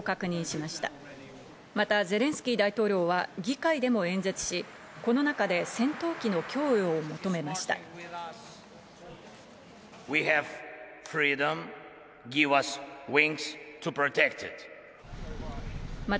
また、ゼレンスキー大統領は議会でも演説し、この中で戦闘機の供与を求めました。